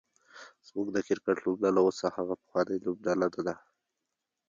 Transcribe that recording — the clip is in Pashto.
زمونږ د کرکټ لوبډله اوس هغه پخوانۍ لوبډله نده